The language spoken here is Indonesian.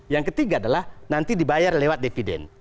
yang ketiga adalah nanti dibayar lewat dividen